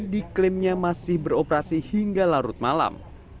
diklaimnya masih beroperasi hingga larut malam